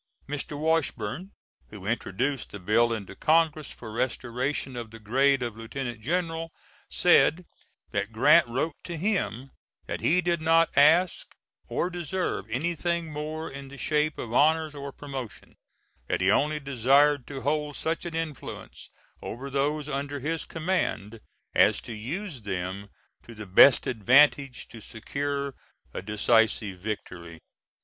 Mr. Washburne, who introduced the bill into Congress for restoration of the grade of Lieutenant General, said that Grant wrote to him that he did not ask or deserve anything more in the shape of honors or promotion; that he only desired to hold such an influence over those under his command as to use them to the best advantage to secure a decisive victory.